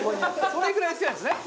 それぐらい好きなんですね。